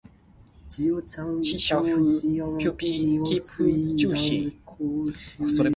食予肥肥，隔予槌槌